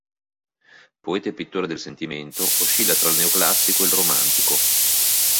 Poeta e pittore del sentimento, oscilla tra il neoclassico ed il romantico.